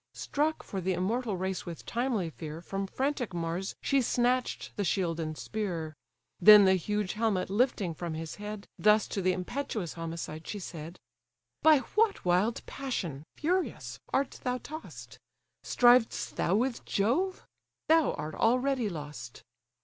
Struck for the immortal race with timely fear, From frantic Mars she snatch'd the shield and spear; Then the huge helmet lifting from his head, Thus to the impetuous homicide she said: "By what wild passion, furious! art thou toss'd? Striv'st thou with Jove? thou art already lost.